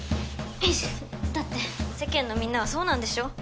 だって世間のみんなはそうなんでしょ？